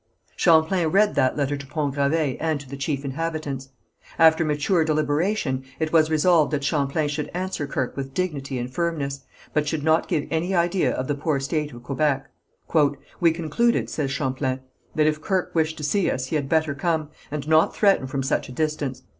Champlain read that letter to Pont Gravé and to the chief inhabitants. After mature deliberation, it was resolved that Champlain should answer Kirke with dignity and firmness, but should not give any idea of the poor state of Quebec. "We concluded," says Champlain, "that if Kirke wished to see us he had better come, and not threaten from such a distance.